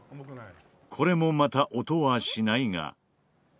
これもまた音はしないが。